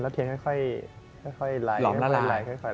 แล้วเทียนก็ค่อยค่อยรายหลาย